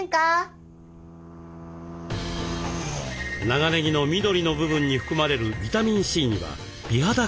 長ねぎの緑の部分に含まれるビタミンＣには美肌効果が。